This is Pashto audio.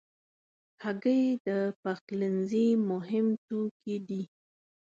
هګۍ د پخلنځي مهم توکي دي.